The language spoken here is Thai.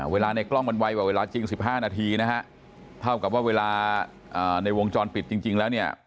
ในกล้องมันไวกว่าเวลาจริง๑๕นาทีนะฮะเท่ากับว่าเวลาในวงจรปิดจริงแล้วเนี่ย